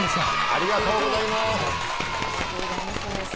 ありがとうございます。